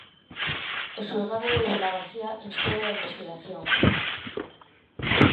O xulgado de Vilagarcía instrúe a investigación.